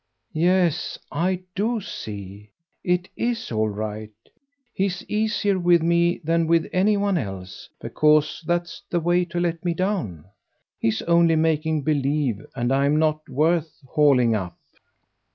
"Yes I do see. It IS all right. He's easier with me than with any one else, because that's the way to let me down. He's only making believe, and I'm not worth hauling up."